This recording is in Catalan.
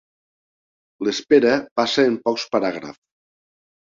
L'espera passa en pocs paràgrafs.